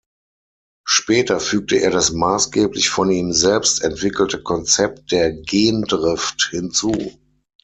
Später fügte er das maßgeblich von ihm selbst entwickelte Konzept der Gendrift hinzu.